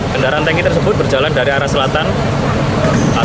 kendaraan tanki tersebut berjalan dari arah selatan